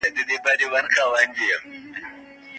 ښاغلی منور ، استاد ګل زمان